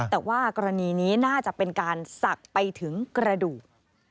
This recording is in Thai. แต่ว่ากรณีนี้น่าจะเป็นการศักดิ์ไปถึงกระดูก